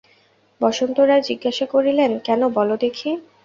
বসন্ত রায় জিজ্ঞাসা করিলেন, কেন বলো দেখি?